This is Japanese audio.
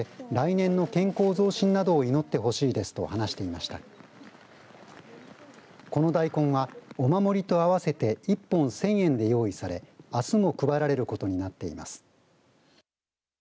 この大根はお守りと合わせて１本１０００円で用意されあすも配られることになっています。